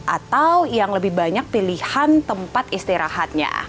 atau yang lebih banyak pilihan tempat istirahatnya